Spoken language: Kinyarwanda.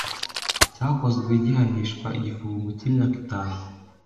cyakozwe gihanishwa igifungo cy imyaka itanu